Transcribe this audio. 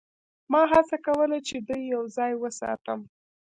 ما هڅه کوله چې دوی یوځای وساتم